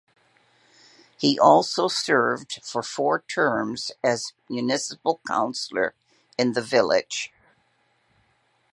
He also served for four terms as municipal councilor in the village.